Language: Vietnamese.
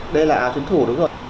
đây là áo chiến thủ đúng rồi